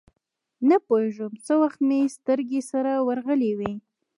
نپوهېږم څه وخت به مې سترګې سره ورغلې وې.